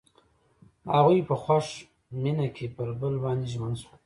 هغوی په خوښ مینه کې پر بل باندې ژمن شول.